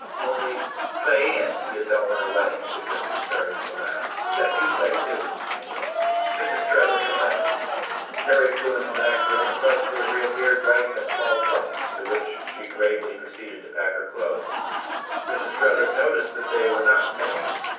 "Only playing your dowin' away," suggested Carry with a laugh. "Let me play too." Mrs. Tretherick assented. Carry flew into the next room, and presently reappeared dragging a small trunk, into which she gravely proceeded to pack her clothes. Mrs. Tretherick noticed that they were not many.